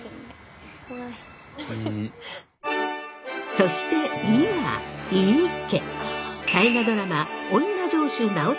そして「井」は井伊家。